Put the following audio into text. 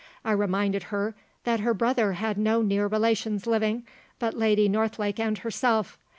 I reminded her that her brother had no near relations living, but Lady Northlake and herself.